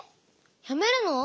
やめるの？